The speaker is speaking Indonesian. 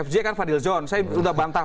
fj kan fadil john saya sudah bantah